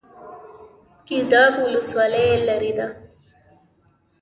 ګیزاب ولسوالۍ لیرې ده؟